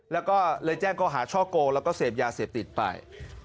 แล้วก็เลยแจ้งเขาหาช่อโกงแล้วก็เสพยาเสพติดไป